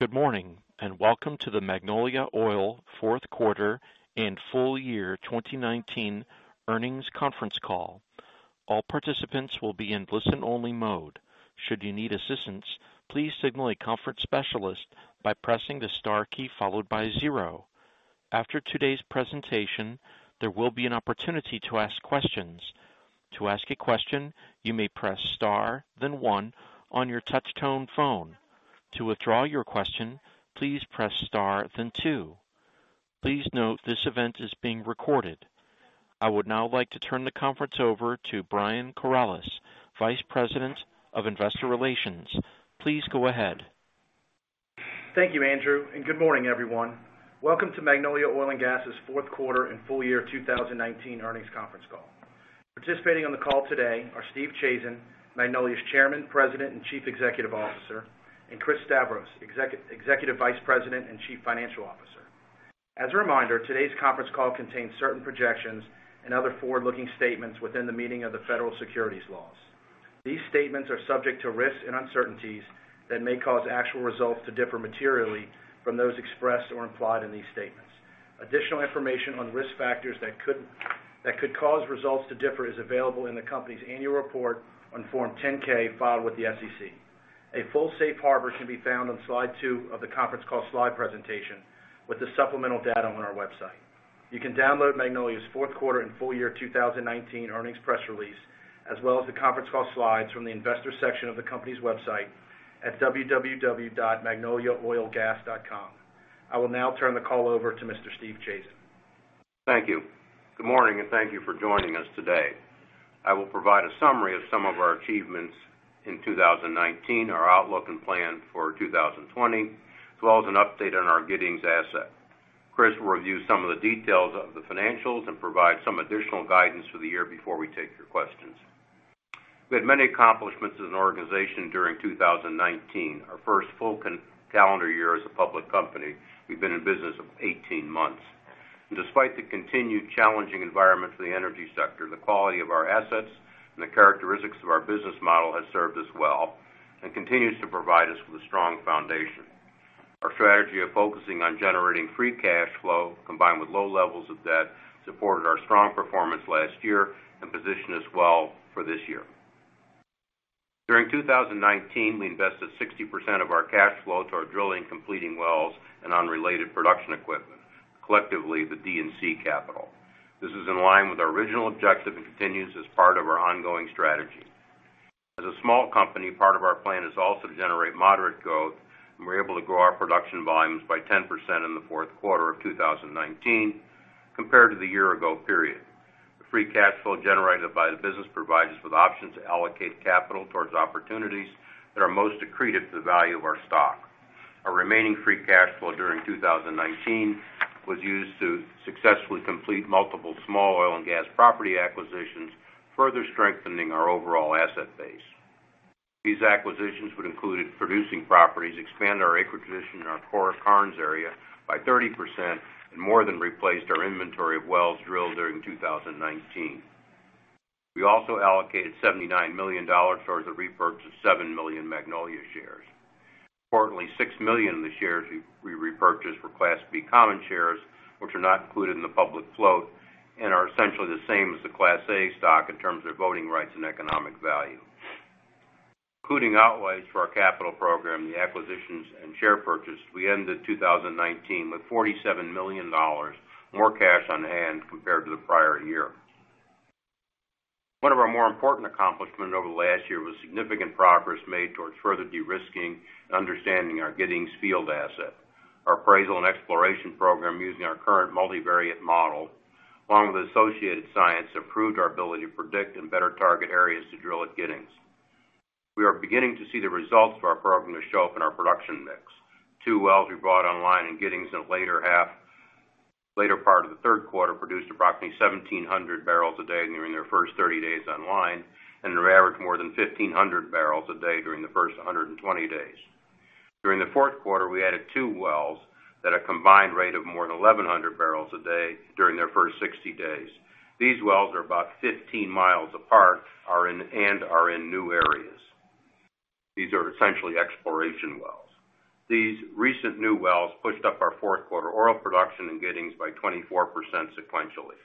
Good morning, and welcome to the Magnolia Oil fourth quarter and full year 2019 earnings conference call. All participants will be in listen-only mode. Should you need assistance, please signal a conference specialist by pressing the star key followed by zero. After today's presentation, there will be an opportunity to ask questions. To ask a question, you may press star then one on your touch tone phone. To withdraw your question, please press star then two. Please note this event is being recorded. I would now like to turn the conference over to Brian Corales, Vice President of Investor Relations. Please go ahead. Thank you, Andrew. Good morning everyone. Welcome to Magnolia Oil & Gas's fourth quarter and full year 2019 earnings conference call. Participating on the call today are Steve Chazen, Magnolia's Chairman, President, and Chief Executive Officer, and Christopher Stavros, Executive Vice President and Chief Financial Officer. As a reminder, today's conference call contains certain projections and other forward-looking statements within the meaning of the Federal Securities laws. These statements are subject to risks and uncertainties that may cause actual results to differ materially from those expressed or implied in these statements. Additional information on risk factors that could cause results to differ is available in the company's annual report on Form 10-K filed with the SEC. A full safe harbor can be found on slide two of the conference call slide presentation with the supplemental data on our website. You can download Magnolia's fourth quarter and full year 2019 earnings press release, as well as the conference call slides from the investor section of the company's website at www.magnoliaoilgas.com. I will now turn the call over to Mr. Steve Chazen. Thank you. Good morning, thank you for joining us today. I will provide a summary of some of our achievements in 2019, our outlook and plan for 2020, as well as an update on our Giddings asset. Chris will review some of the details of the financials and provide some additional guidance for the year before we take your questions. We had many accomplishments as an organization during 2019, our first full calendar year as a public company. We've been in business 18 months. Despite the continued challenging environment for the energy sector, the quality of our assets and the characteristics of our business model has served us well and continues to provide us with a strong foundation. Our strategy of focusing on generating free cash flow, combined with low levels of debt, supported our strong performance last year and position us well for this year. During 2019, we invested 60% of our cash flow to our drilling, completing wells, and unrelated production equipment, collectively, the D&C capital. This is in line with our original objective and continues as part of our ongoing strategy. As a small company, part of our plan is also to generate moderate growth, and we're able to grow our production volumes by 10% in the fourth quarter of 2019 compared to the year ago period. The free cash flow generated by the business provides us with options to allocate capital towards opportunities that are most accretive to the value of our stock. Our remaining free cash flow during 2019 was used to successfully complete multiple small oil and gas property acquisitions, further strengthening our overall asset base. These acquisitions would include producing properties, expand our acre position in our core Karnes area by 30%, and more than replaced our inventory of wells drilled during 2019. We also allocated $79 million towards the repurchase of 7 million Magnolia shares. Importantly, 6 million of the shares we repurchased were Class B common shares, which are not included in the public float and are essentially the same as the Class A stock in terms of voting rights and economic value. Including outlays for our capital program, the acquisitions, and share purchase, we ended 2019 with $47 million more cash on hand compared to the prior year. One of our more important accomplishments over the last year was significant progress made towards further de-risking and understanding our Giddings field asset. Our appraisal and exploration program, using our current multivariate model, along with associated science, improved our ability to predict and better target areas to drill at Giddings. We are beginning to see the results of our program to show up in our production mix. Two wells we brought online in Giddings in the later part of the third quarter produced approximately 1,700 bpd during their first 30 days online and have averaged more than 1,500 bpd during the first 120 days. During the fourth quarter, we added two wells at a combined rate of more than 1,100 bpd during their first 60 days. These wells are about 15 mi apart and are in new areas. These are essentially exploration wells. These recent new wells pushed up our fourth quarter oil production in Giddings by 24% sequentially.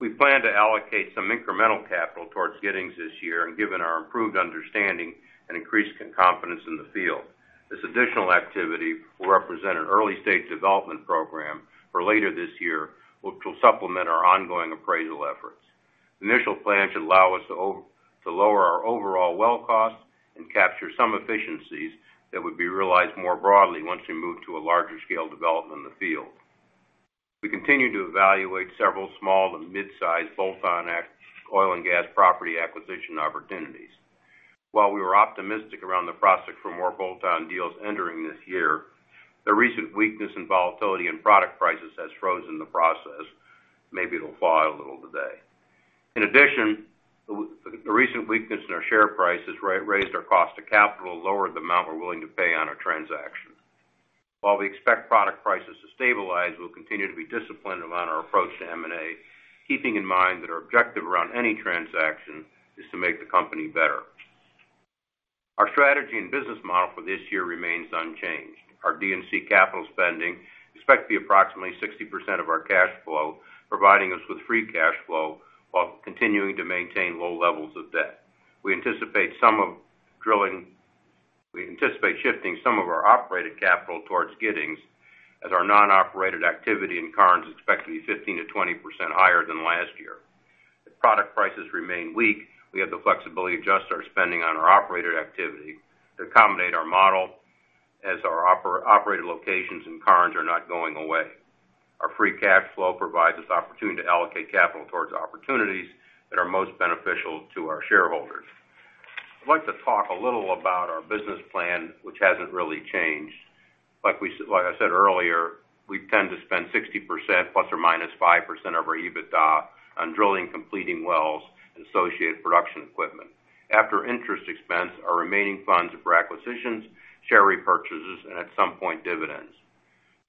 We plan to allocate some incremental capital towards Giddings this year and given our improved understanding and increased confidence in the field. This additional activity will represent an early-stage development program for later this year, which will supplement our ongoing appraisal efforts. Initial plans should allow us to lower our overall well cost and capture some efficiencies that would be realized more broadly once we move to a larger scale development in the field. We continue to evaluate several small to mid-size bolt-on oil and gas property acquisition opportunities. While we were optimistic around the prospect for more bolt-on deals entering this year, the recent weakness and volatility in product prices has frozen the process. Maybe it'll thaw a little today. In addition, the recent weakness in our share price has raised our cost of capital and lowered the amount we're willing to pay on a transaction. While we expect product prices to stabilize, we'll continue to be disciplined about our approach to M&A, keeping in mind that our objective around any transaction is to make the company better. Our strategy and business model for this year remains unchanged. Our D&C capital spending is expected to be approximately 60% of our cash flow, providing us with free cash flow while continuing to maintain low levels of debt. We anticipate shifting some of our operated capital towards Giddings as our non-operated activity in Karnes is expected to be 15%-20% higher than last year. If product prices remain weak, we have the flexibility to adjust our spending on our operated activity to accommodate our model, as our operated locations in Karnes are not going away. Our free cash flow provides us the opportunity to allocate capital towards opportunities that are most beneficial to our shareholders. I'd like to talk a little about our business plan, which hasn't really changed. Like I said earlier, we tend to spend 60% ± 5% of our EBITDA on drilling, completing wells, and associated production equipment. After interest expense, our remaining funds are for acquisitions, share repurchases, and at some point, dividends.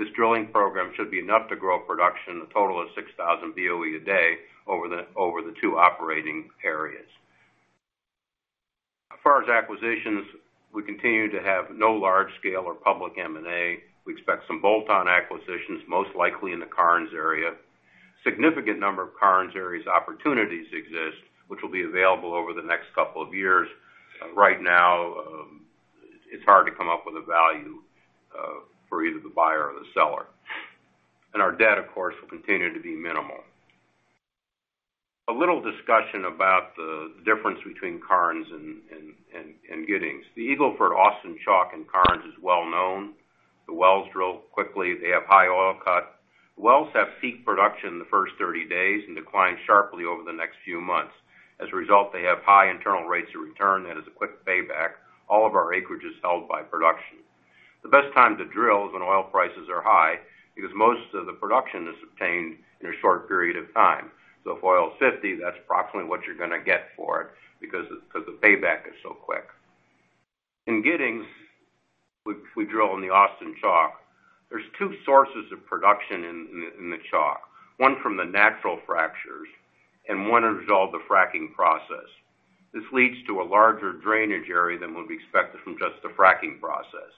This drilling program should be enough to grow production a total of 6,000 Boepd over the two operating areas. As far as acquisitions, we continue to have no large scale or public M&A. We expect some bolt-on acquisitions, most likely in the Karnes area. A significant number of Karnes areas opportunities exist, which will be available over the next couple of years. Right now, it's hard to come up with a value for either the buyer or the seller. Our debt, of course, will continue to be minimal. A little discussion about the difference between Karnes and Giddings. The Eagle Ford Austin Chalk in Karnes is well known. The wells drill quickly. They have high oil cut. Wells have peak production in the first 30 days and decline sharply over the next few months. As a result, they have high internal rates of return and has a quick payback. All of our acreage is held by production. The best time to drill is when oil prices are high, because most of the production is obtained in a short period of time. For oil $50, that's approximately what you're going to get for it because the payback is so quick. In Giddings, we drill in the Austin Chalk. There's two sources of production in the Chalk, one from the natural fractures and one as a result of the fracking process. This leads to a larger drainage area than would be expected from just the fracking process.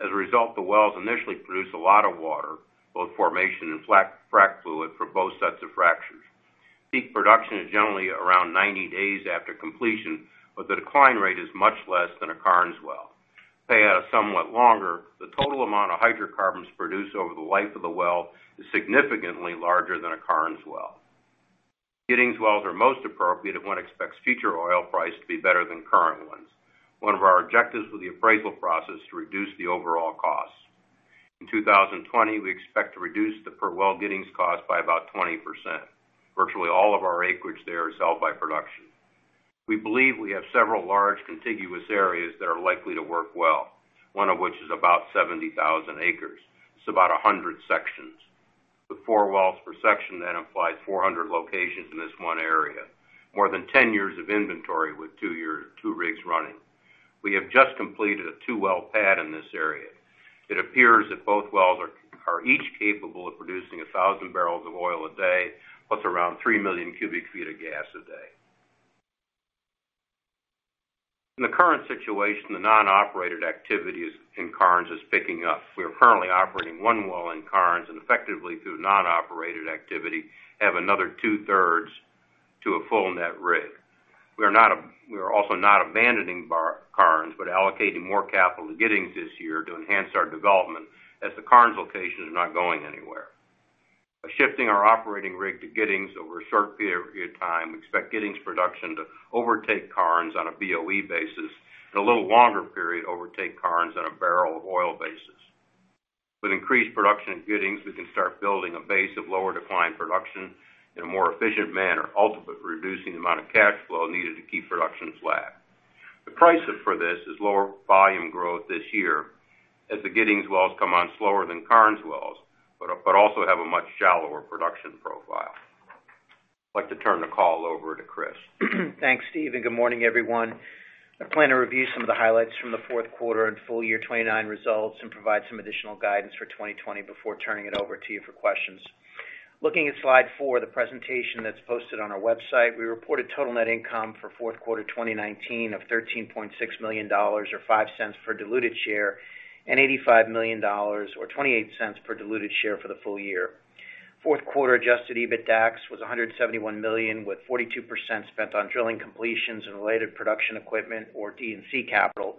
As a result, the wells initially produce a lot of water, both formation and frac fluid for both sets of fractures. Peak production is generally around 90 days after completion, but the decline rate is much less than a Karnes well. Pay out is somewhat longer. The total amount of hydrocarbons produced over the life of the well is significantly larger than a Karnes well. Giddings wells are most appropriate if one expects future oil price to be better than current ones. One of our objectives with the appraisal process is to reduce the overall cost. In 2020, we expect to reduce the per well Giddings cost by about 20%. Virtually all of our acreage there is held by production. We believe we have several large contiguous areas that are likely to work well, one of which is about 70,000 acres. It is about 100 sections. With four wells per section, that implies 400 locations in this one area. More than 10 years of inventory with two rigs running. We have just completed a two-well pad in this area. It appears that both wells are each capable of producing 1,000 bopd, plus around 3 million cubic feet of gas a day. In the current situation, the non-operated activity in Karnes is picking up. We are currently operating one well in Karnes and effectively, through non-operated activity, have another two-thirds to a full net rig. We are also not abandoning Karnes, but allocating more capital to Giddings this year to enhance our development as the Karnes location is not going anywhere. By shifting our operating rig to Giddings over a short period of time, we expect Giddings production to overtake Karnes on a BOE basis, in a little longer period, overtake Karnes on a barrel of oil basis. With increased production at Giddings, we can start building a base of lower decline production in a more efficient manner, ultimately reducing the amount of cash flow needed to keep production flat. The price for this is lower volume growth this year, as the Giddings wells come on slower than Karnes wells, but also have a much shallower production profile. I'd like to turn the call over to Chris. Thanks, Steve. Good morning, everyone. I plan to review some of the highlights from the fourth quarter and full year 2019 results and provide some additional guidance for 2020 before turning it over to you for questions. Looking at slide four of the presentation that's posted on our website, we reported total net income for fourth quarter 2019 of $13.6 million, or $0.05 for diluted share, and $85 million, or $0.28 per diluted share for the full year. Fourth quarter adjusted EBITDAX was $171 million, with 42% spent on drilling completions and related production equipment or D&C capital,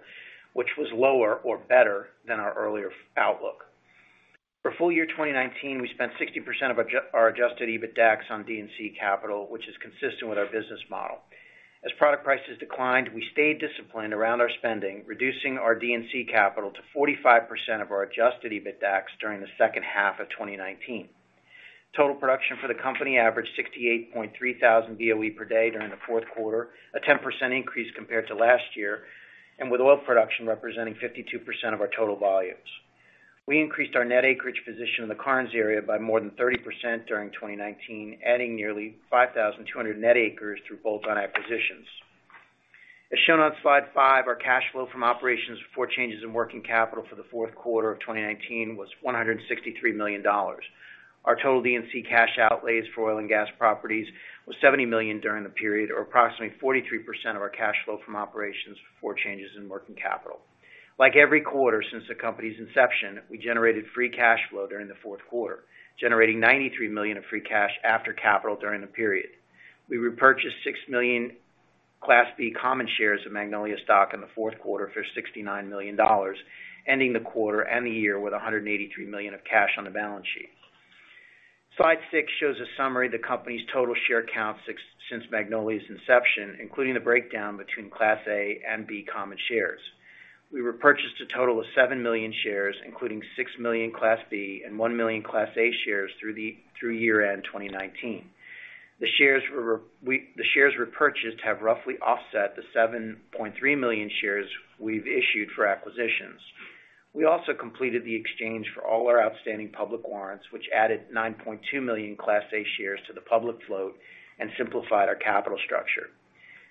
which was lower or better than our earlier outlook. For full year 2019, we spent 60% of our adjusted EBITDAX on D&C capital, which is consistent with our business model. As product prices declined, we stayed disciplined around our spending, reducing our D&C capital to 45% of our adjusted EBITDAX during the second half of 2019. Total production for the company averaged 68,300 Boepd during the fourth quarter, a 10% increase compared to last year, and with oil production representing 52% of our total volumes. We increased our net acreage position in the Karnes area by more than 30% during 2019, adding nearly 5,200 net acres through bolt-on acquisitions. As shown on slide five, our cash flow from operations before changes in working capital for the fourth quarter of 2019 was $163 million. Our total D&C cash outlays for oil and gas properties was $70 million during the period, or approximately 43% of our cash flow from operations before changes in working capital. Like every quarter since the company's inception, we generated free cash flow during the fourth quarter, generating $93 million of free cash after capital during the period. We repurchased 6 million Class B common shares of Magnolia stock in the fourth quarter for $69 million, ending the quarter and the year with $183 million of cash on the balance sheet. Slide six shows a summary of the company's total share count since Magnolia's inception, including the breakdown between Class A and B common shares. We repurchased a total of 7 million shares, including 6 million Class B and 1 million Class A shares through year-end 2019. The shares repurchased have roughly offset the 7.3 million shares we've issued for acquisitions. We also completed the exchange for all our outstanding public warrants, which added 9.2 million Class A shares to the public float and simplified our capital structure.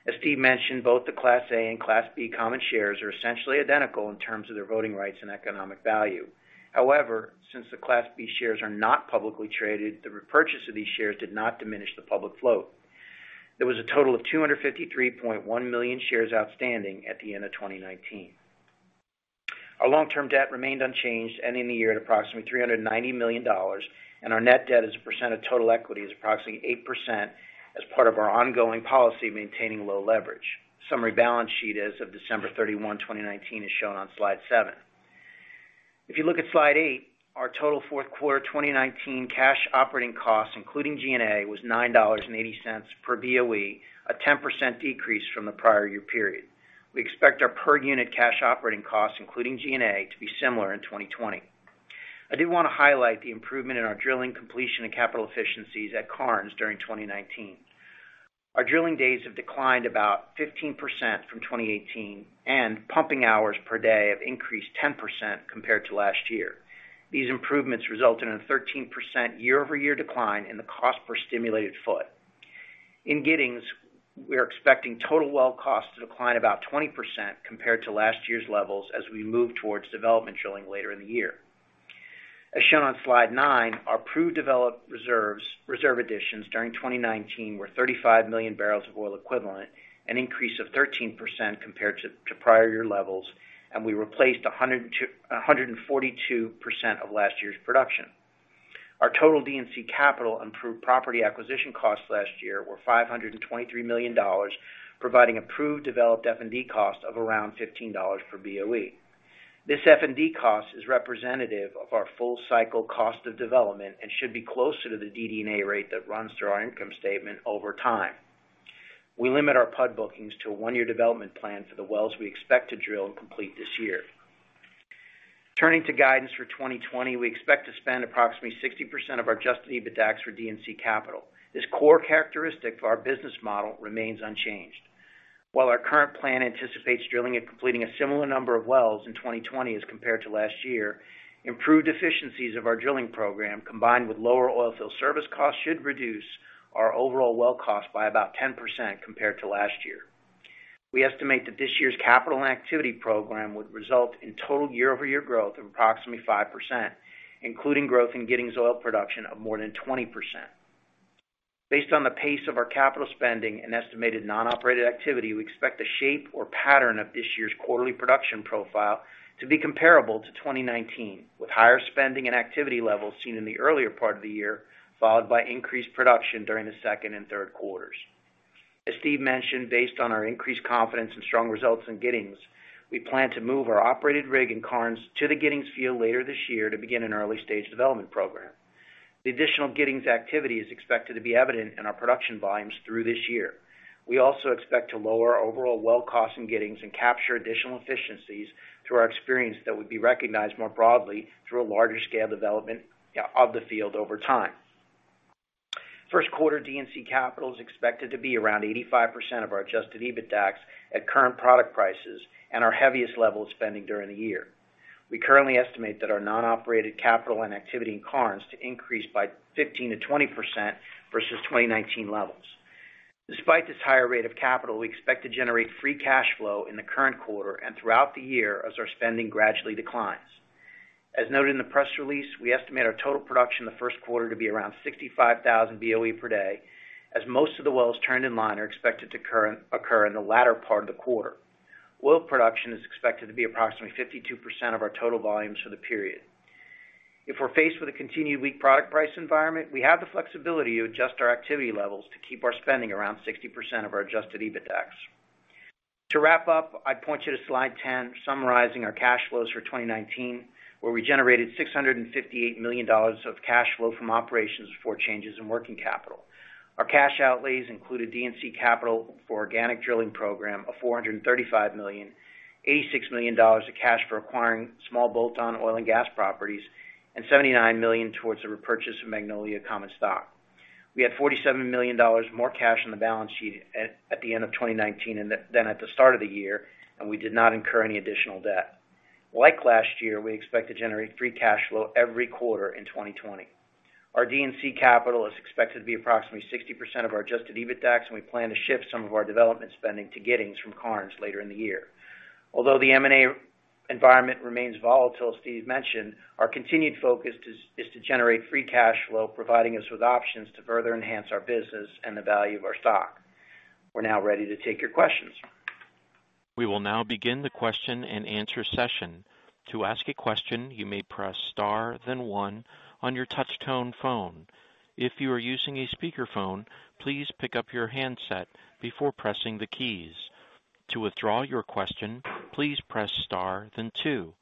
As Steve mentioned, both the Class A and Class B common shares are essentially identical in terms of their voting rights and economic value. However, since the Class B shares are not publicly traded, the repurchase of these shares did not diminish the public float. There was a total of 253.1 million shares outstanding at the end of 2019. Our long-term debt remained unchanged, ending the year at approximately $390 million, and our net debt as a percent of total equity is approximately 8% as part of our ongoing policy of maintaining low leverage. Summary balance sheet as of December 31, 2019, is shown on slide seven. If you look at slide eight, our total fourth quarter 2019 cash operating costs, including G&A, was $9.80 per BOE, a 10% decrease from the prior year period. We expect our per-unit cash operating costs, including G&A, to be similar in 2020. I do want to highlight the improvement in our drilling completion and capital efficiencies at Karnes during 2019. Our drilling days have declined about 15% from 2018, and pumping hours per day have increased 10% compared to last year. These improvements resulted in a 13% year-over-year decline in the cost per stimulated foot. In Giddings, we are expecting total well costs to decline about 20% compared to last year's levels as we move towards development drilling later in the year. As shown on slide nine, our proved developed reserve additions during 2019 were 35 million barrels of oil equivalent, an increase of 13% compared to prior year levels, and we replaced 142% of last year's production. Our total D&C capital and proved property acquisition costs last year were $523 million, providing a proved developed F&D cost of around $15 per BOE. This F&D cost is representative of our full cycle cost of development and should be closer to the DD&A rate that runs through our income statement over time. We limit our PUD bookings to a one-year development plan for the wells we expect to drill and complete this year. Turning to guidance for 2020, we expect to spend approximately 60% of our adjusted EBITDAX for D&C capital. This core characteristic for our business model remains unchanged. While our current plan anticipates drilling and completing a similar number of wells in 2020 as compared to last year, improved efficiencies of our drilling program, combined with lower oil field service costs, should reduce our overall well cost by about 10% compared to last year. We estimate that this year's capital and activity program would result in total year-over-year growth of approximately 5%, including growth in Giddings Oil production of more than 20%. Based on the pace of our capital spending and estimated non-operated activity, we expect the shape or pattern of this year's quarterly production profile to be comparable to 2019, with higher spending and activity levels seen in the earlier part of the year, followed by increased production during the second and third quarters. As Steve mentioned, based on our increased confidence and strong results in Giddings, we plan to move our operated rig in Karnes to the Giddings field later this year to begin an early-stage development program. The additional Giddings activity is expected to be evident in our production volumes through this year. We also expect to lower our overall well cost in Giddings and capture additional efficiencies through our experience that would be recognized more broadly through a larger-scale development of the field over time. First quarter D&C capital is expected to be around 85% of our adjusted EBITDAX at current product prices and our heaviest level of spending during the year. We currently estimate that our non-operated capital and activity in Karnes to increase by 15%-20% versus 2019 levels. Despite this higher rate of capital, we expect to generate free cash flow in the current quarter and throughout the year as our spending gradually declines. As noted in the press release, we estimate our total production in the first quarter to be around 65 Mboepd, as most of the wells turned in line are expected to occur in the latter part of the quarter. Oil production is expected to be approximately 52% of our total volumes for the period. If we're faced with a continued weak product price environment, we have the flexibility to adjust our activity levels to keep our spending around 60% of our adjusted EBITDAX. To wrap up, I point you to slide 10, summarizing our cash flows for 2019, where we generated $658 million of cash flow from operations before changes in working capital. Our cash outlays included D&C capital for organic drilling program of $435 million, $86 million of cash for acquiring small bolt-on oil and gas properties, and $79 million towards the repurchase of Magnolia common stock. We had $47 million more cash on the balance sheet at the end of 2019 than at the start of the year, and we did not incur any additional debt. Like last year, we expect to generate free cash flow every quarter in 2020. Our D&C capital is expected to be approximately 60% of our adjusted EBITDAX, and we plan to shift some of our development spending to Giddings from Karnes later in the year. Although the M&A environment remains volatile, as Steve mentioned, our continued focus is to generate free cash flow, providing us with options to further enhance our business and the value of our stock. We're now ready to take your questions. We will now begin the question-and-answer session. To ask a question, you may press star then one on your touch tone phone. If you are using a speakerphone, please pick up your handset before pressing the keys. To withdraw your question, please press star then two.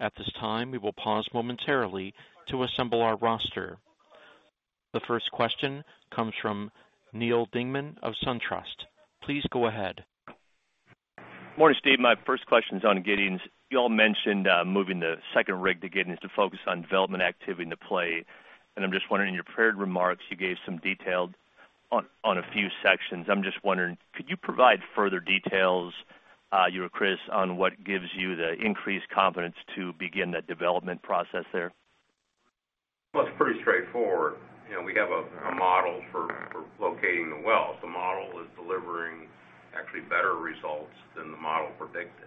At this time, we will pause momentarily to assemble our roster. The first question comes from Neal Dingmann of SunTrust. Please go ahead. Morning, Steve. My first question is on Giddings. You all mentioned moving the second rig to Giddings to focus on development activity in the play. I'm just wondering, in your prepared remarks, you gave some detail on a few sections. Could you provide further details, you or Chris, on what gives you the increased confidence to begin that development process there? It's pretty straightforward. We have a model for locating the wells. The model is delivering actually better results than the model predicted.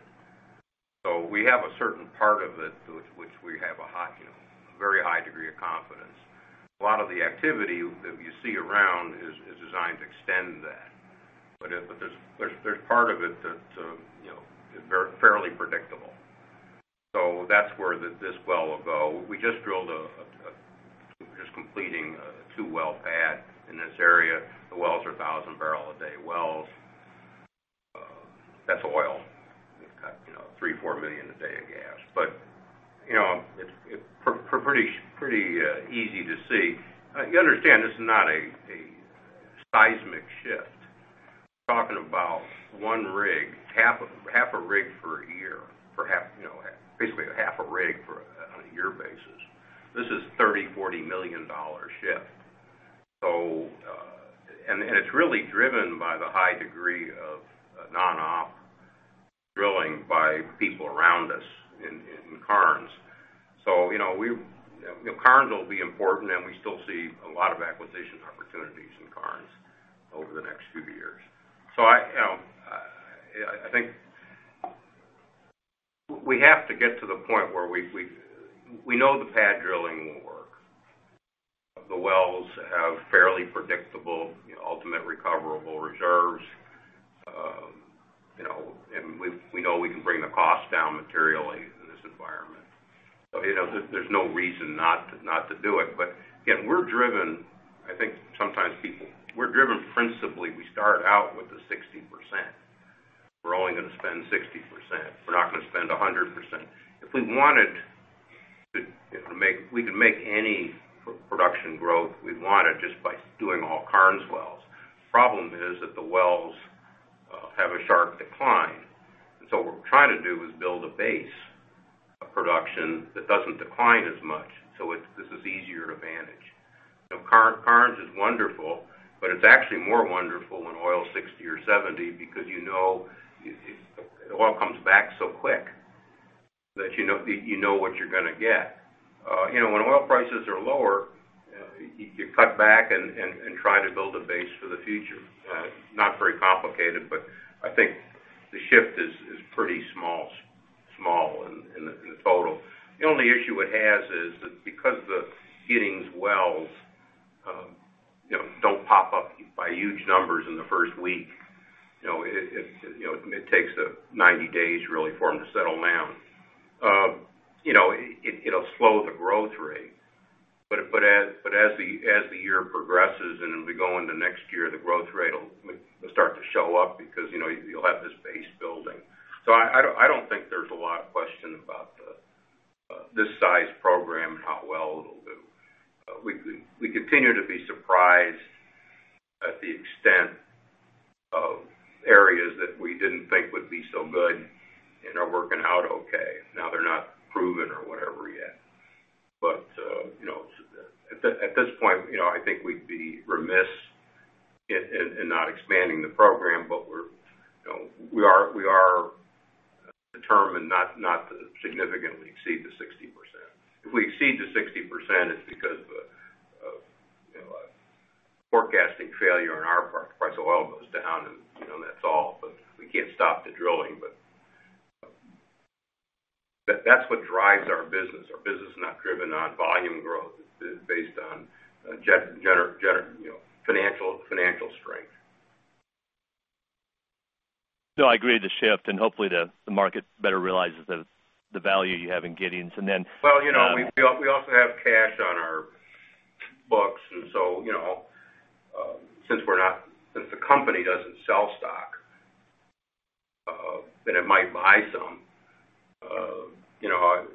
We have a certain part of it to which we have a very high degree of confidence. A lot of the activity that you see around is designed to extend that. There's part of it that's fairly predictable. That's where this well will go. We're just completing a two-well pad in this area. The wells are 1,000-barrel-a-day wells. That's oil. We've got 3 million, 4 million a day of gas. It's pretty easy to see. You understand this is not a seismic shift. Talking about one rig, basically half a rig on a year basis. This is a $30 million-$40 million shift. It's really driven by the high degree of non-op drilling by people around us in Karnes. Karnes will be important, and we still see a lot of acquisition opportunities in Karnes over the next few years. I think we have to get to the point where we know the pad drilling will work. The wells have fairly predictable ultimate recoverable reserves. We know we can bring the cost down materially in this environment. There's no reason not to do it. Again, we're driven principally, we start out with the 60%. We're only going to spend 60%. We're not going to spend 100%. If we wanted, we could make any production growth we wanted just by doing all Karnes wells. Problem is that the wells have a sharp decline. What we're trying to do is build a base of production that doesn't decline as much, so this is easier to manage. Karnes is wonderful, but it's actually more wonderful when oil is $60 or $70 because you know oil comes back so quick that you know what you're going to get. When oil prices are lower, you cut back and try to build a base for the future. Not very complicated, but I think the shift is pretty small in the total. The only issue it has is that because the Giddings wells don't pop up by huge numbers in the first week, it takes 90 days, really, for them to settle down. It'll slow the growth rate. As the year progresses, and it'll be going to next year, the growth rate will start to show up because you'll have this base building. I don't think there's a lot of question about this size program and how well it'll do. We continue to be surprised at the extent of areas that we didn't think would be so good and are working out okay. They're not proven or whatever yet. At this point, I think we'd be remiss in not expanding the program, but we are determined not to significantly exceed the 60%. If we exceed the 60%, it's because of a forecasting failure on our part. The price of oil goes down and that's all. We can't stop the drilling. That's what drives our business. Our business is not driven on volume growth. It's based on financial strength. No, I agree with the shift, and hopefully, the market better realizes the value you have in Giddings. Well, we also have cash on our books. Since the company doesn't sell stock, then it might buy some.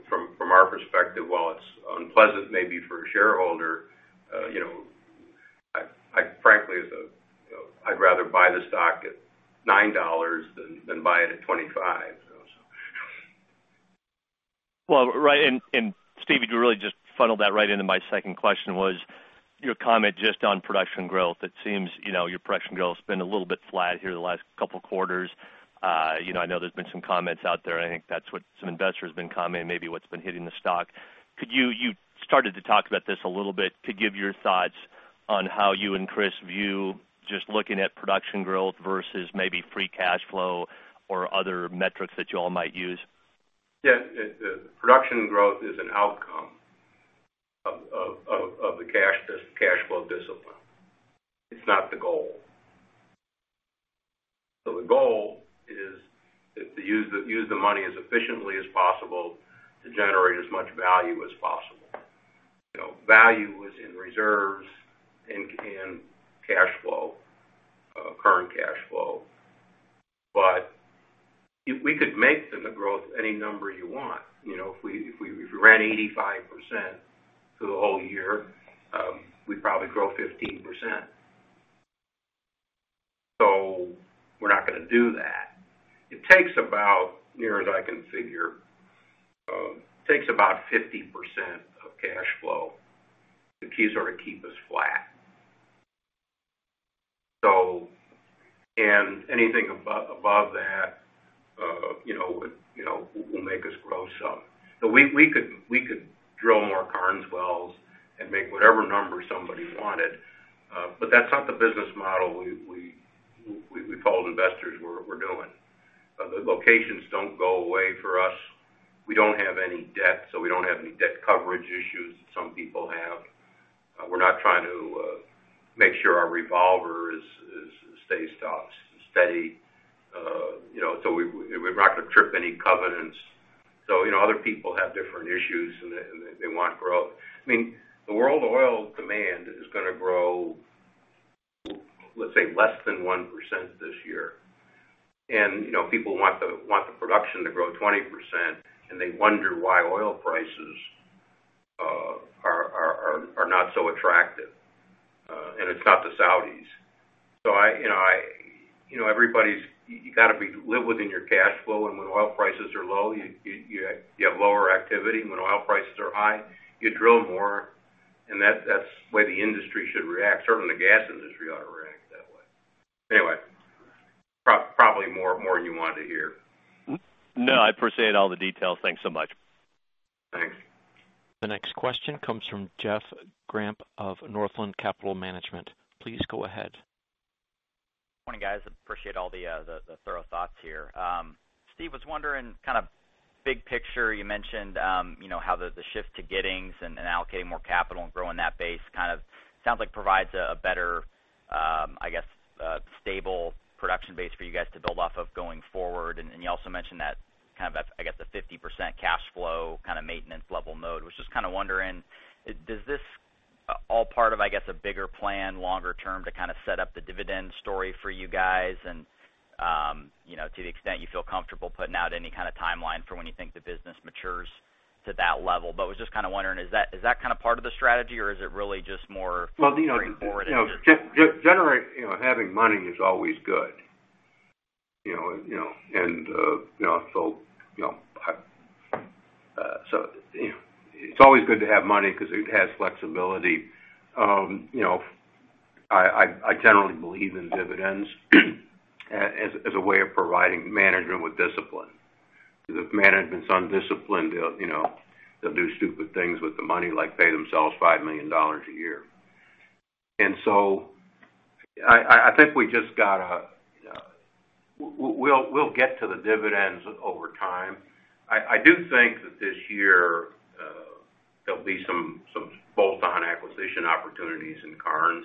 From our perspective, while it's unpleasant maybe for a shareholder, frankly, I'd rather buy the stock at $9 than buy it at $25. Well, right. Steve, you really just funneled that right into my second question. Your comment just on production growth, it seems your production growth has been a little bit flat here the last couple of quarters. I know there's been some comments out there. I think that's what some investors have been commenting, maybe what's been hitting the stock. You started to talk about this a little bit. Could you give your thoughts on how you and Chris view just looking at production growth versus maybe free cash flow or other metrics that you all might use? Yes. Production growth is an outcome of the cash flow discipline. It's not the goal. The goal is to use the money as efficiently as possible to generate as much value as possible. Value is in reserves and cash flow, current cash flow. We could make the growth any number you want. If we ran 85% through the whole year, we'd probably grow 15%. We're not going to do that. It takes about, near as I can figure, 50% of cash flow to keep us flat. Anything above that will make us grow some. We could drill more Karnes wells and make whatever number somebody wanted. That's not the business model we told investors we're doing. The locations don't go away for us. We don't have any debt, so we don't have any debt coverage issues that some people have. We're not trying to make sure our revolver stays steady. We're not going to trip any covenants. Other people have different issues, and they want growth. The world oil demand is going to grow, let's say, less than 1% this year. People want the production to grow 20%, and they wonder why oil prices are not so attractive. It's not the Saudis. You've got to live within your cash flow, and when oil prices are low, you have lower activity. When oil prices are high, you drill more, and that's the way the industry should react. Certainly, the gas industry ought to react that way. Anyway, probably more than you wanted to hear. No, I appreciate all the details. Thanks so much. Thanks. The next question comes from Jeff Grampp of Northland Capital Management. Please go ahead. Morning, guys. Appreciate all the thorough thoughts here. Steve, was wondering, big picture, you mentioned how the shift to Giddings and allocating more capital and growing that base sounds like provides a better, stable production base for you guys to build off of going forward. You also mentioned that the 50% cash flow maintenance level mode. Was just wondering, does this all part of a bigger plan, longer term, to set up the dividend story for you guys? To the extent you feel comfortable putting out any timeline for when you think the business matures to that level. Was just wondering, is that part of the strategy, or is it really just more straightforward? Having money is always good. It's always good to have money because it has flexibility. I generally believe in dividends as a way of providing management with discipline. If management's undisciplined, they'll do stupid things with the money, like pay themselves $5 million a year. I think we'll get to the dividends over time. I do think that this year, there'll be some bolt-on acquisition opportunities in Karnes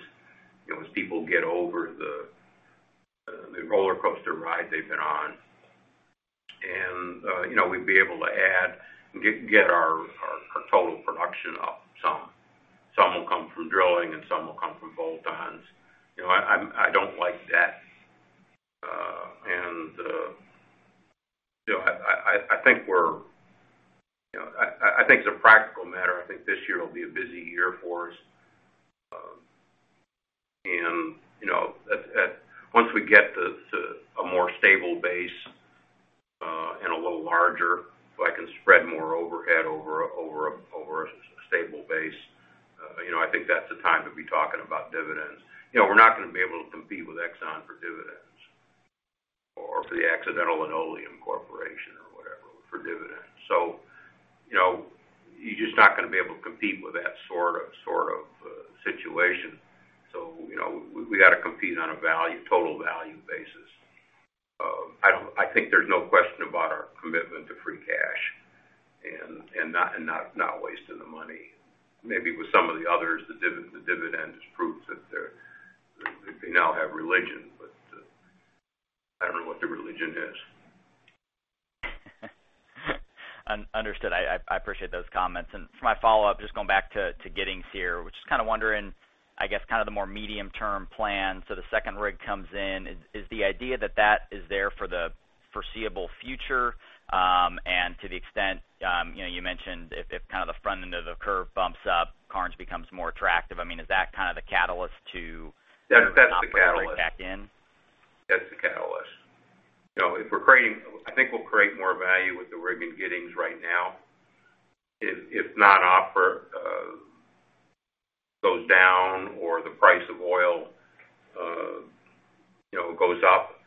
as people get over the roller coaster ride they've been on. We'd be able to add and get our total production up some. Some will come from drilling, and some will come from bolt-ons. I don't like debt. I think as a practical matter, I think this year will be a busy year for us. Once we get to a more stable base and a little larger, so I can spread more overhead over a stable base, I think that's the time to be talking about dividends. We're not going to be able to compete with Exxon for dividends or for The Accidental Linoleum Corporation or whatever for dividends. You're just not going to be able to compete with that sort of situation. We got to compete on a total value basis. I think there's no question about our commitment to free cash and not wasting the money. Maybe with some of the others, the dividend just proves that they now have religion, but I don't know what the religion is. Understood. I appreciate those comments. For my follow-up, just going back to Giddings here, was just wondering the more medium-term plan. The second rig comes in. Is the idea that that is there for the foreseeable future, and to the extent you mentioned if the front end of the curve bumps up, Karnes becomes more attractive. Is that the catalyst to. That's the catalyst. I think we'll create more value with the rig in Giddings right now. If non-op goes down or the price of oil goes up,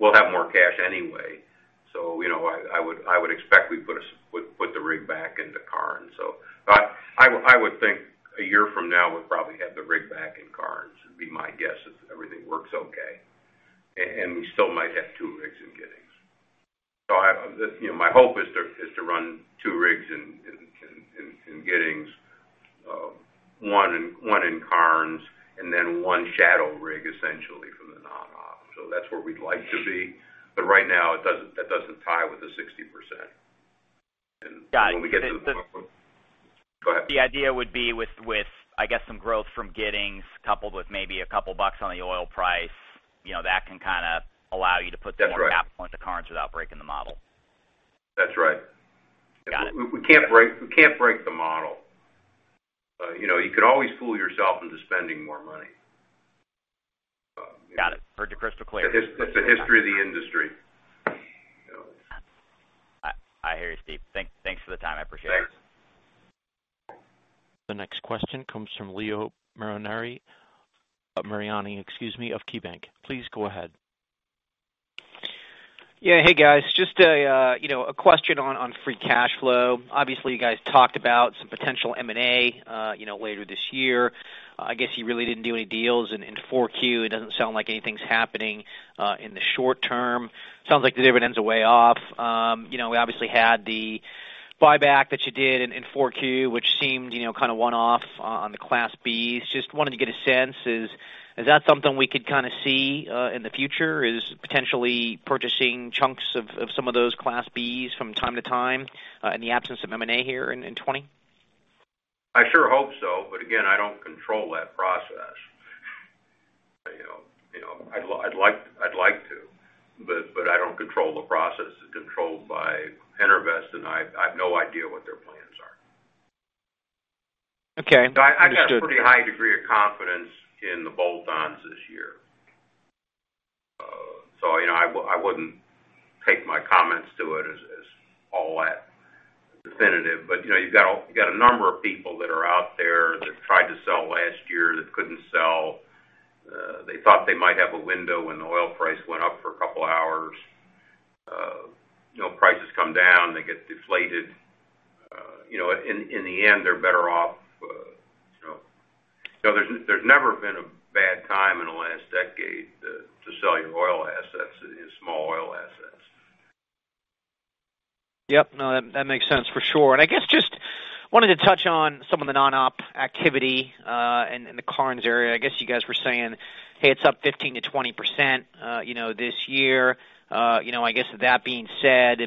we'll have more cash anyway. I would expect we'd put the rig back into Karnes. I would think a year from now, we'll probably have the rig back in Karnes, would be my guess, if everything works okay. We still might have two rigs in Giddings. My hope is to run two rigs in Giddings, one in Karnes, and then one shadow rig, essentially, from the non-op. That's where we'd like to be. Right now, that doesn't tie with the 60%. When we get to the front. Go ahead. The idea would be with, I guess, some growth from Giddings, coupled with maybe a couple of dollars on the oil price, that can allow you to. That's right. More capital into Karnes without breaking the model. That's right. Got it. We can't break the model. You could always fool yourself into spending more money. Got it. Heard you crystal clear. That's the history of the industry. I hear you, Steve. Thanks for the time, I appreciate it. Thanks. The next question comes from Leo Mariani, excuse me, of KeyBanc. Please go ahead. Hey, guys, just a question on free cash flow. Obviously, you guys talked about some potential M&A later this year. I guess you really didn't do any deals in 4Q. It doesn't sound like anything's happening in the short term. Sounds like the dividend's way off. We obviously had the buyback that you did in 4Q, which seemed one-off on the Class Bs. Just wanted to get a sense, is that something we could see in the future, is potentially purchasing chunks of some of those Class Bs from time to time, in the absence of M&A here in 2020? I sure hope so. Again, I don't control that process. I'd like to, but I don't control the process. It's controlled by EnerVest, and I've no idea what their plans are. Okay. Understood. I've got a pretty high degree of confidence in the bolt-ons this year. I wouldn't take my comments to it as all that definitive. You've got a number of people that are out there that tried to sell last year that couldn't sell. They thought they might have a window when the oil price went up for a couple of hours. Prices come down, they get deflated. In the end, they're better off. There's never been a bad time in the last decade to sell your oil assets, small oil assets. Yep. No, that makes sense for sure. I guess, just wanted to touch on some of the non-op activity in the Karnes area. I guess you guys were saying, hey, it's up 15%-20% this year. I guess with that being said,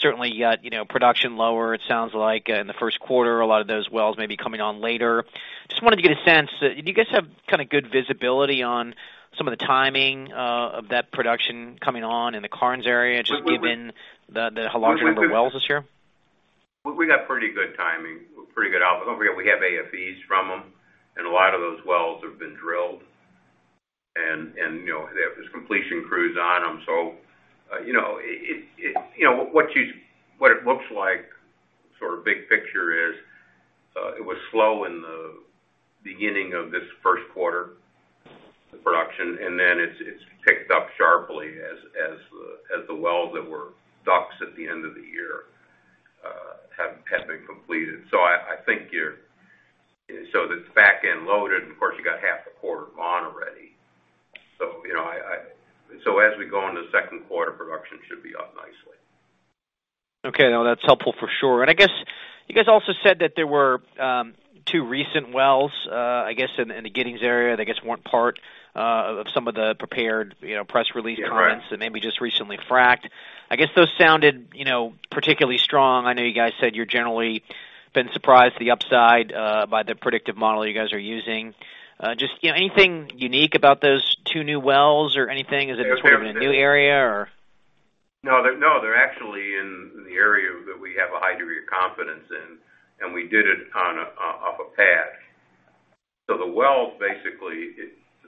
certainly you got production lower, it sounds like, in the first quarter. A lot of those wells may be coming on later. Just wanted to get a sense, do you guys have good visibility on some of the timing of that production coming on in the Karnes area, just given the whole lot of new wells this year? We got pretty good timing. Don't forget, we have AFEs from them, and a lot of those wells have been drilled. There's completion crews on them. What it looks like, big picture is, it was slow in the beginning of this first quarter, the production, and then it's picked up sharply as the wells that were DUCs at the end of the year have been completed. It's back-end loaded, and of course, you got half the quarter gone already. As we go into the second quarter, production should be up nicely. Okay. No, that's helpful for sure. I guess you guys also said that there were two recent wells, I guess, in the Giddings area, that I guess weren't part of some of the prepared press release comments. Correct that maybe just recently fracked. I guess those sounded particularly strong. I know you guys said you've generally been surprised to the upside by the predictive model you guys are using. Just anything unique about those two new wells or anything? Is it sort of in a new area, or? They're actually in the area that we have a high degree of confidence in, and we did it off a pad. The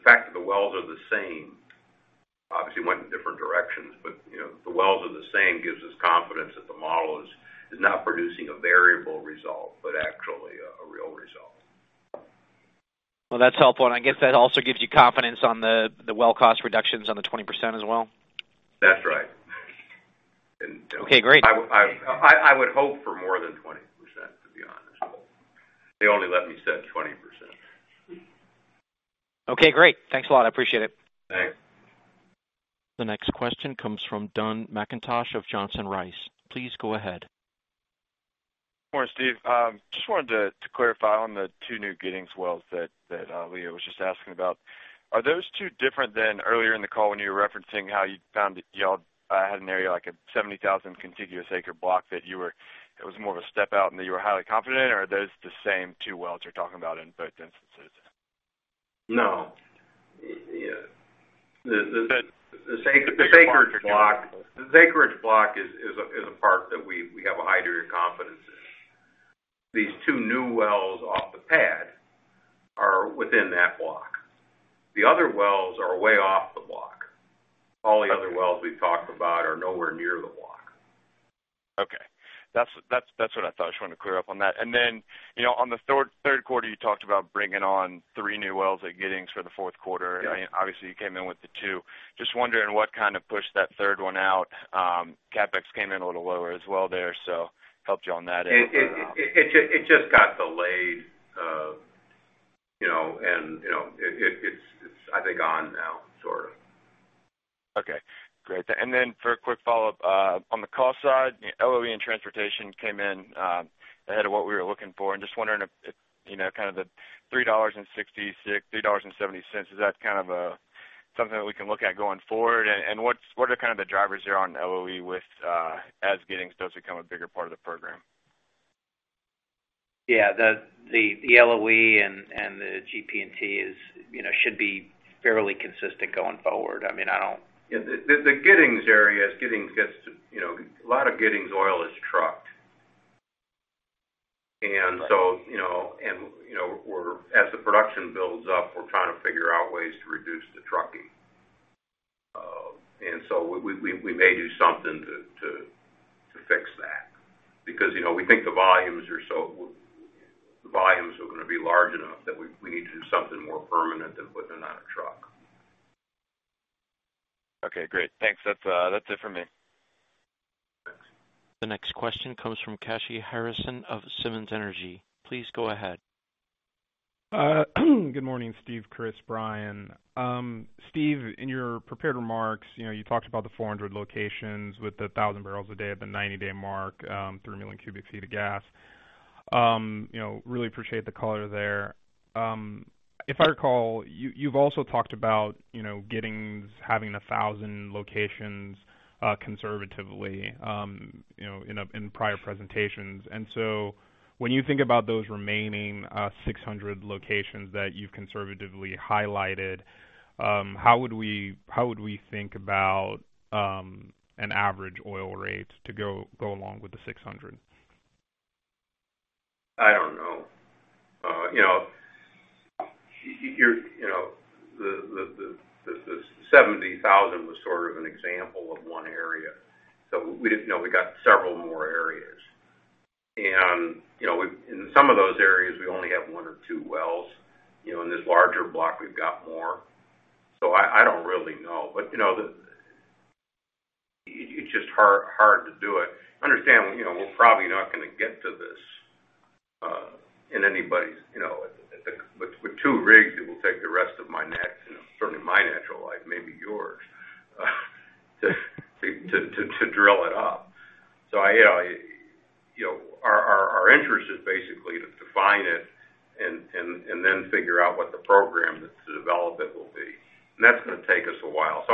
fact that the wells are the same, obviously went in different directions, but the wells are the same gives us confidence that the model is not producing a variable result, but actually a real result. Well, that's helpful, and I guess that also gives you confidence on the well cost reductions on the 20% as well? That's right. Okay, great. I would hope for more than 20%, to be honest. They only let me set 20%. Okay, great. Thanks a lot. I appreciate it. Thanks. The next question comes from Don McIntosh of Johnson Rice. Please go ahead. Morning, Steve. Just wanted to clarify on the two new Giddings wells that Leo was just asking about. Are those two different than earlier in the call when you were referencing how you found that y'all had an area, like a 70,000 contiguous acre block, that it was more of a step out and that you were highly confident in? Are those the same two wells you're talking about in both instances? No. The acreage block is a part that we have a high degree of confidence in. These two new wells off the pad in that block. The other wells are way off the block. All the other wells we've talked about are nowhere near the block. Okay. That's what I thought. Just wanted to clear up on that. On the third quarter, you talked about bringing on three new wells at Giddings for the fourth quarter. Yeah. Obviously, you came in with the two. Just wondering what pushed that third one out. CapEx came in a little lower as well there, so helped you on that end. It just got delayed. It's, I think, on now, sort of. Okay, great. Then for a quick follow-up, on the cost side, LOE and transportation came in ahead of what we were looking for, and just wondering if, the $3.66, $3.70, is that something that we can look at going forward? What are the drivers there on LOE with, as Giddings starts to become a bigger part of the program? Yeah, the LOE and the GP&T should be fairly consistent going forward. I don't. The Giddings area, a lot of Giddings oil is trucked. Right. As the production builds up, we're trying to figure out ways to reduce the trucking. We may do something to fix that because we think the volumes are going to be large enough that we need to do something more permanent than putting it on a truck. Okay, great. Thanks. That's it from me. Thanks. The next question comes from Kashy Harrison of Simmons Energy. Please go ahead. Good morning, Steve, Chris, Brian. Steve, in your prepared remarks, you talked about the 400 locations with the 1,000 bpd at the 90-day mark, 3 million cubic feet of gas. Really appreciate the color there. If I recall, you've also talked about Giddings having 1,000 locations conservatively, in prior presentations. When you think about those remaining 600 locations that you've conservatively highlighted, how would we think about an average oil rate to go along with the 600? I don't know. The 70,000 was sort of an example of one area. We got several more areas. In some of those areas, we only have one or two wells. In this larger block, we've got more. I don't really know. It's just hard to do it. With two rigs, it will take the rest of my natural life, maybe yours, to drill it up. Our interest is basically to define it and then figure out what the program to develop it will be. That's going to take us a while.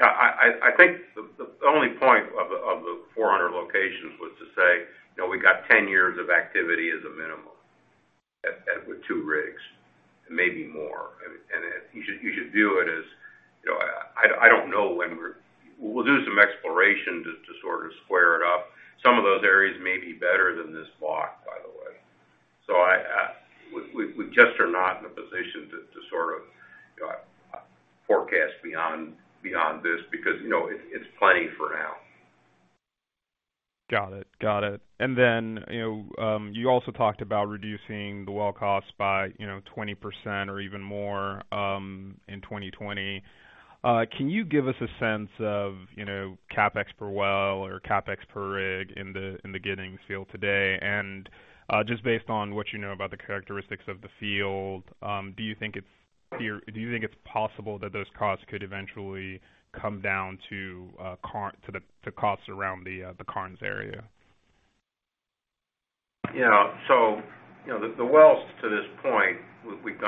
I think the only point of the 400 locations was to say, we got 10 years of activity as a minimum with two rigs, maybe more. You should view it as, I don't know when we'll do some exploration to square it up. Some of those areas may be better than this block, by the way. We just are not in a position to forecast beyond this because it's plenty for now. Got it. You also talked about reducing the well cost by 20% or even more in 2020. Can you give us a sense of CapEx per well or CapEx per rig in the Giddings Field today? Based on what you know about the characteristics of the field, do you think it's possible that those costs could eventually come down to costs around the Karnes Area? The wells, to this point, we've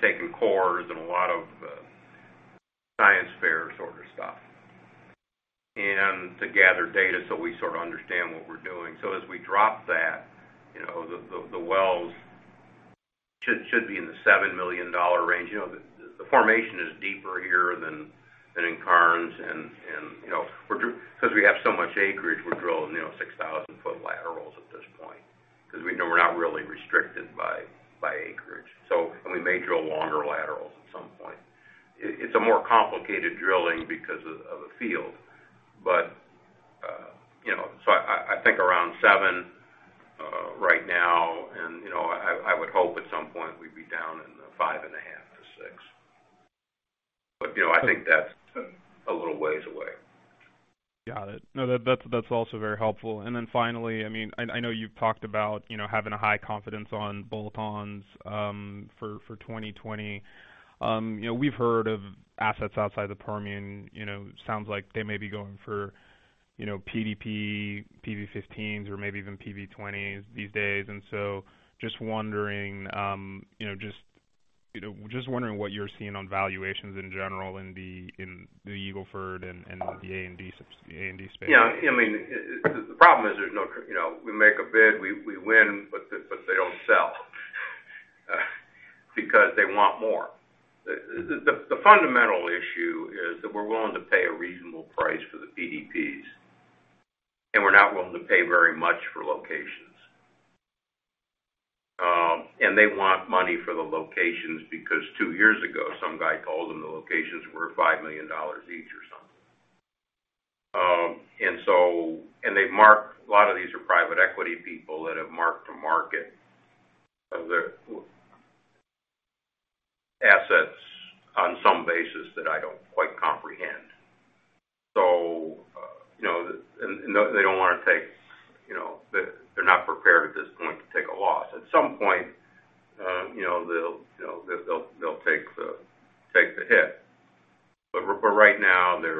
taken cores and a lot of science fair sort of stuff to gather data, so we understand what we're doing. As we drop that, the wells should be in the $7 million range. The formation is deeper here than in Karnes, because we have so much acreage, we're drilling 6,000-foot laterals at this point, because we're not really restricted by acreage. We may drill longer laterals at some point. It's a more complicated drilling because of the field. I think around seven right now, and I would hope at some point we'd be down in the five and a half to six. I think that's a little ways away. Got it. No, that's also very helpful. Finally, I know you've talked about having a high confidence on bolt-ons for 2020. We've heard of assets outside the Permian, sounds like they may be going for PDP, PV-15s, or maybe even PV-20s these days. Just wondering what you're seeing on valuations in general in the Eagle Ford and the A&D space. Yeah. The problem is we make a bid, we win, but they don't sell because they want more. The fundamental issue is that we're willing to pay a reasonable price for the PDPs, and we're not willing to pay very much for locations. They want money for the locations because two years ago, some guy told them the locations were $5 million each or something. A lot of these are private equity people that have marked to market their assets on some basis that I don't quite comprehend. They're not prepared at this point to take a loss. At some point they'll take the hit. For right now, they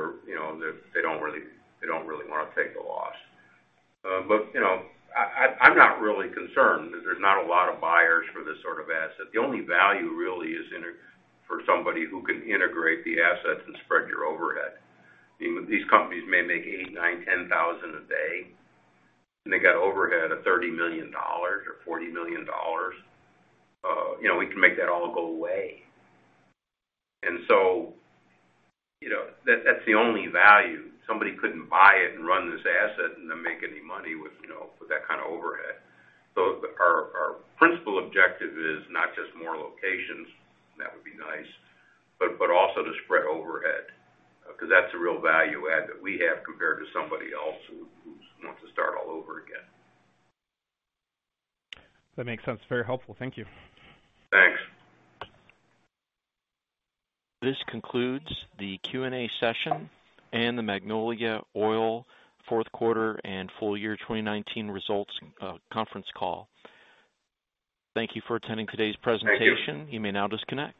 don't really want to take a loss. I'm not really concerned. There's not a lot of buyers for this sort of asset. The only value really is for somebody who can integrate the assets and spread your overhead. These companies may make eight, nine, $10,000 a day, they got overhead of $30 million or $40 million. We can make that all go away. That's the only value. Somebody couldn't buy it and run this asset and then make any money with that kind of overhead. Our principal objective is not just more locations, that would be nice, but also to spread overhead. That's a real value add that we have compared to somebody else who wants to start all over again. That makes sense. Very helpful. Thank you. Thanks. This concludes the Q&A session and the Magnolia Oil & Gas fourth quarter and full year 2019 results conference call. Thank you for attending today's presentation. You may now disconnect.